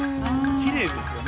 きれいですよね。